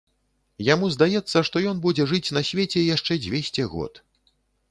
Яму здаецца, што ён будзе жыць на свеце яшчэ дзвесце год.